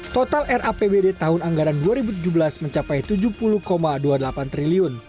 total rapbd tahun anggaran dua ribu tujuh belas mencapai rp tujuh puluh dua puluh delapan triliun